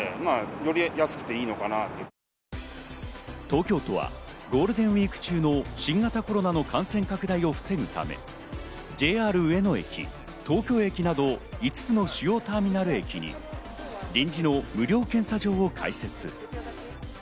東京都はゴールデンウイーク中の新型コロナの感染拡大を防ぐため、ＪＲ上野駅、東京駅など５つの主要ターミナル駅に臨時の無料検査場を開設。